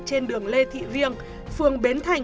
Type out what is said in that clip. trên đường lê thị viêng phường bến thành